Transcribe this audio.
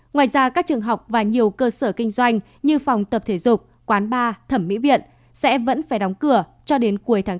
ngoài ra các trường học và nhiều cơ sở kinh doanh như phòng tập thể dục quán bar thẩm mỹ viện sẽ vẫn phải đóng cửa cho đến cuối tháng bốn